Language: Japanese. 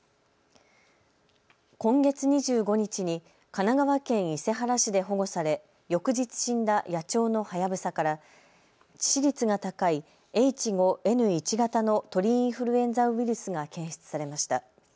今月２５日に神奈川県伊勢原市で保護され、翌日、死んだ野鳥のハヤブサから致死率が高いＨ５Ｎ１型の鳥インフルエンザウイルスが検出されました。